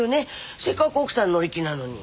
せっかく奥さん乗り気なのに。